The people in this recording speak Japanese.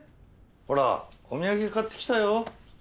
ほらお土産買ってきたよ。